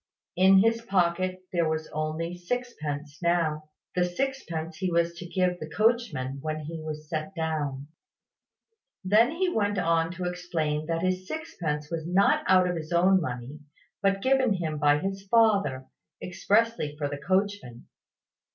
In his pocket there was only sixpence now, the sixpence he was to give the coachman when he was set down. Then he went on to explain that this sixpence was not out of his own money, but given him by his father, expressly for the coachman.